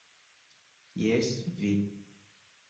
Jes, vi!